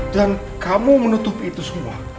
dan kamu menutupi itu semua